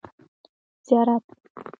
زيارت